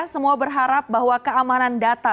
semua berharap bahwa keamanan data